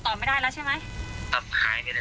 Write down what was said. ตอนนี้ก็ติดต่อไม่ได้แล้วใช่ไหม